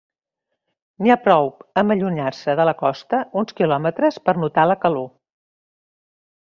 N'hi ha prou amb allunyar-se de la costa uns quilòmetres per notar la calor.